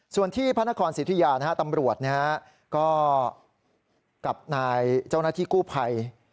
ส่วนที่พระนครสิทธิยาตำรวจก็กับนายเจ้าหน้าที่กู้ภัย